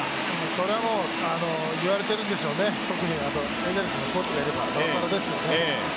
これはもう言われているんでしょうね、特にエンゼルスのコーチがいれば当然ですよね。